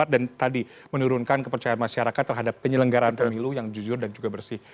dan tadi menurunkan kepercayaan masyarakat terhadap penyelenggaraan pemilu yang jujur dan juga bersih